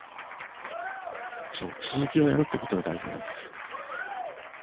そう続きをやるって事が大事なんです。